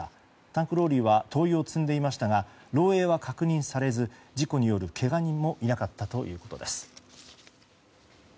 タンクローリーは灯油を積んでいましたが漏洩は確認されず事故によるけが人もいなかったということです。